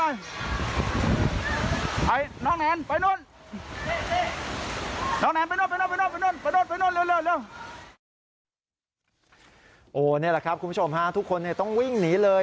นี่แหละครับคุณผู้ชมฮะทุกคนต้องวิ่งหนีเลย